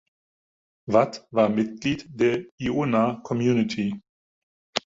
Watt war Mitglied der Iona Community.